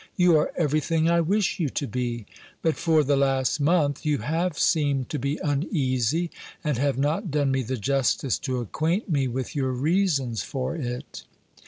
You are everything I wish you to be. But for the last month you have seemed to be uneasy, and have not done me the justice to acquaint me with your reasons for it."